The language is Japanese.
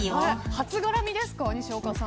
初絡みですか、西岡さん。